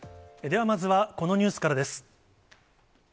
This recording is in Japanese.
ではまずはこのニュースからです。